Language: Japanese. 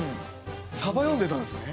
さば読んでたんですね。